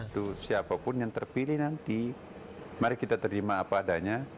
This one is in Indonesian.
itu siapapun yang terpilih nanti mari kita terima apa adanya